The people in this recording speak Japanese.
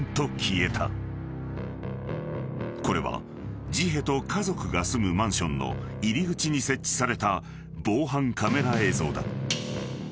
［これはジヘと家族が住むマンションの入り口に設置された防犯カメラ映像だ］